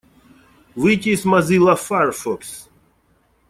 Выйти из Mozilla Firefox.